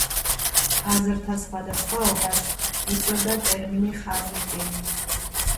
აზრთა სხვადასხვაობას იწვევდა ტერმინი ხანმეტი.